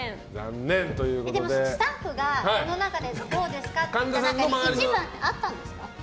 スタッフがこの中でどうですかって聞いた中に１番ってあったんですか？